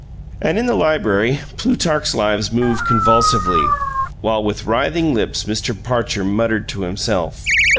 And in the library Plutarch's Lives moved convulsively, while with writhing lips Mr. Parcher muttered to himself.